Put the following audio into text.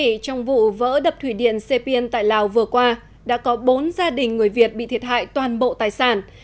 hôm nay trong vụ vỡ đập thủy điện sepien tại lào vừa qua đã có bốn gia đình người việt bị thiệt hại toàn bộ tài sản